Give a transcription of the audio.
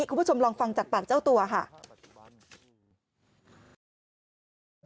คุณผู้ชมลองฟังจากปากเจ้าตัวค่ะ